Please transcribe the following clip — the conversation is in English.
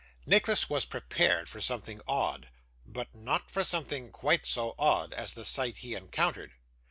Nicholas was prepared for something odd, but not for something quite so odd as the sight he encountered.